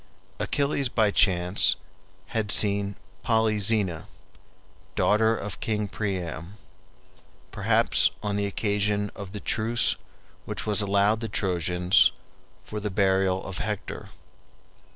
Achilles by chance had seen Polyxena, daughter of King Priam, perhaps on the occasion of the truce which was allowed the Trojans for the burial of Hector.